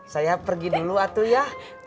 saya pergi dulu atau ya